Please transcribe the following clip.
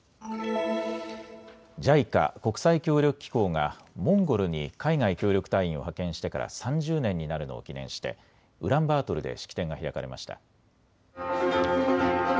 ＪＩＣＡ・国際協力機構がモンゴルに海外協力隊員を派遣してから３０年になるのを記念してウランバートルで式典が開かれました。